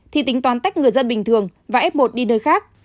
thì tính toán tách người dân bình thường và f một đi nơi khác